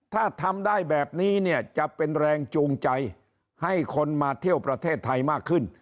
ถ้าทำได้แบบนี้เนี่ยจะเป็นแรงจูงใจให้คนมาเที่ยวประเทศไทยมากขึ้น